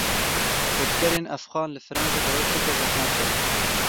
Koçberên Efxan li Fransa di rewşeke zehmet de ne.